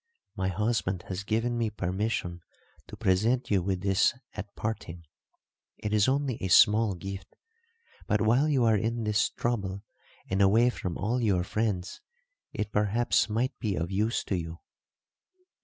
"My husband has given me permission to present you with this at parting. It is only a small gift, but while you are in this trouble and away from all your friends it perhaps might be of use to you."